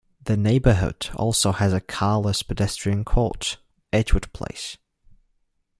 The neighborhood also has a carless pedestrian court, Edgewood Place.